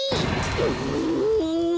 うん。